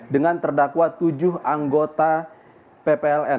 dengan terdakwa tujuh anggota ppln